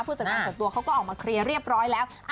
จัดงานส่วนตัวเขาก็ออกมาเคลียร์เรียบร้อยแล้ว